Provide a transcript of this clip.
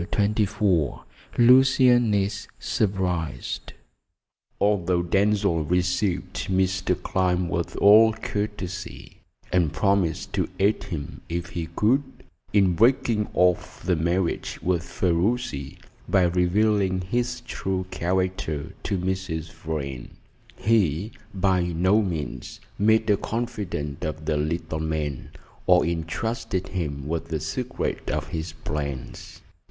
CHAPTER XXIV LUCIAN IS SURPRISED Although Denzil received Mr. Clyne with all courtesy, and promised to aid him, if he could, in breaking off the marriage with Ferruci, by revealing his true character to Mrs. Vrain, he by no means made a confidant of the little man, or entrusted him with the secret of his plans.